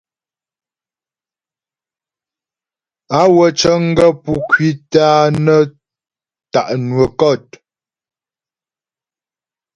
Á wə cə̀ŋ gaə̂ pú ŋkwítə a nə tá' nwə́ kɔ̂t.